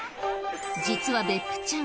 実は別府ちゃん